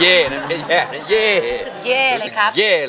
เพลงนี้ที่๕หมื่นบาทแล้วน้องแคน